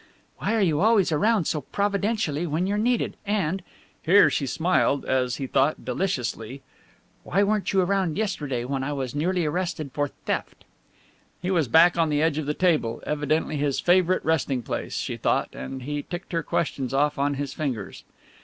"Why are you always around so providentially when you're needed, and," here she smiled (as he thought) deliciously, "why weren't you round yesterday, when I was nearly arrested for theft?" He was back on the edge of the table, evidently his favourite resting place, she thought, and he ticked her questions off on his fingers.